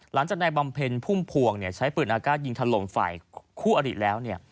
หลังจากนายบำเพ็ญพุ่มพวงใช้ปืนอากาศยิงถล่มฝ่ายคู่อริแล้ว